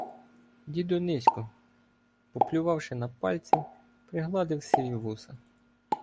Дід Онисько, поплювавши на пальці, пригладив сиві вуса.